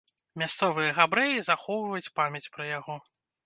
Мясцовыя габрэі захоўваюць памяць пра яго.